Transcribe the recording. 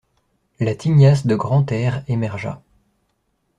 La tignasse de Grantaire émergea.